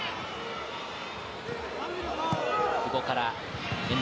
久保から遠藤。